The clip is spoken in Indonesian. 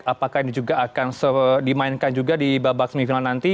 apakah ini juga akan dimainkan juga di babak semifinal nanti